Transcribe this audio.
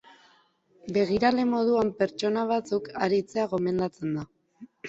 Begirale moduan pertsona batzuk aritzea gomendatzen da.